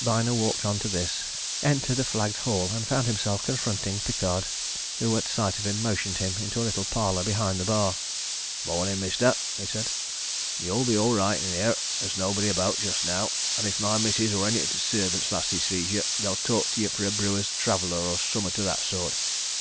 Byner walked on to this, entered a flagged hall, and found himself confronting Pickard, who at sight of him, motioned him into a little parlour behind the bar. "Mornin', mister," said he. "You'll be all right in here there's nobody about just now, and if my missis or any o' t' servant lasses sees yer, they'll tak' yer for a brewer's traveller, or summat o' that sort.